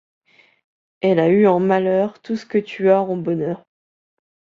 Elle a eu en malheur tout ce que tu as en bonheur.